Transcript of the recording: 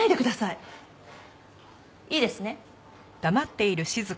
いいですね？